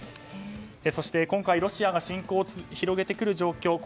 そして、今回ロシアが侵攻を広げてくる状況